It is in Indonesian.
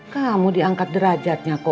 kamu diangkat derajatnya kok